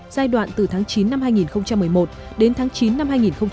giai đoạn từ tháng chín năm hai nghìn một mươi một đến tháng chín năm hai nghìn một mươi bảy